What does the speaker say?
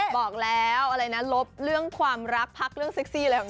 บอกแล้วอะไรนะลบเรื่องความรักพักเรื่องเซ็กซี่อะไรของ